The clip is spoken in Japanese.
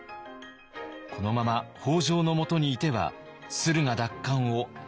このまま北条のもとにいては駿河奪還を果たせない。